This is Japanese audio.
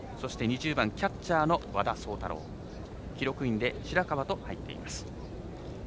２０番キャッチャーの和田壮多朗記録員で白川と入っています。